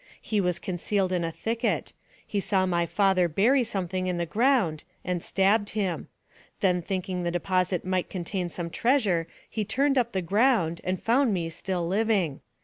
He was concealed in a thicket; he saw my father bury something in the ground, and stabbed him; then thinking the deposit might contain some treasure he turned up the ground, and found me still living.